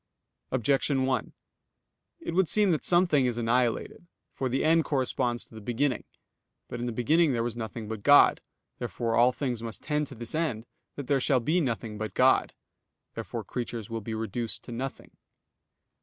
Objection 1: It would seem that something is annihilated. For the end corresponds to the beginning. But in the beginning there was nothing but God. Therefore all things must tend to this end, that there shall be nothing but God. Therefore creatures will be reduced to nothing.